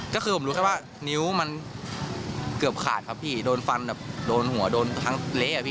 ก็คือผมรู้แค่ว่านิ้วมันเกือบขาดครับพี่โดนฟันแบบโดนหัวโดนทั้งเละอ่ะพี่